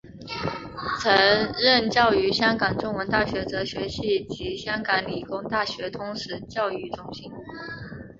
曾任教于香港中文大学哲学系及香港理工大学通识教育中心。